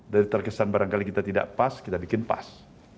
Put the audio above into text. dari terkesan barangkali kita tidak pas kita bikin pas